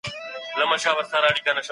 انسان په کايناتو کي تر نورو برلاسی دی.